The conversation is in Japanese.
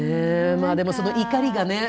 でも、その怒りがね。